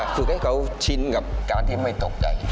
ฝึกให้เขาชินกับการที่ไม่ตกใจ